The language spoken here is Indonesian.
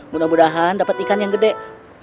mudah mudahan dapatkan ikan yang besar